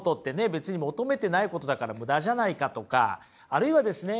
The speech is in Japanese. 別に求めてないことだからムダじゃないかとかあるいはですね